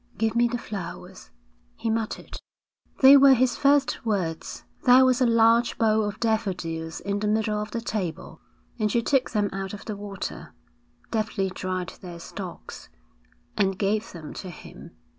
'Give me the flowers,' he muttered. They were his first words. There was a large bowl of daffodils in the middle of the table, and she took them out of the water, deftly dried their stalks, and gave them to him.